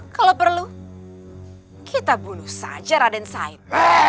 kalau perlu kita bunuh saja raden said